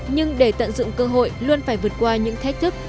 nhưng để tận dụng cơ hội luôn phải vượt qua những thách thức